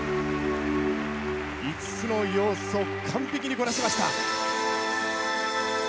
５つの要素完璧にこなしました。